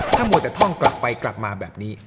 ถ้ามัวแต่ท่องกลับไปกลับมาแบบนี้